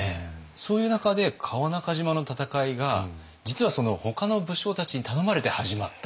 そういう中で川中島の戦いが実はほかの武将たちに頼まれて始まった。